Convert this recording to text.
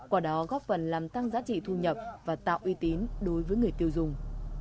qua đó góp phần làm tăng giá trị thu nhập và tạo uy tín đối với người tiêu dùng